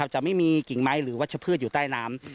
จะไม่มีกิ่งไม้หรือวัชพืชอยู่ใต้น้ำ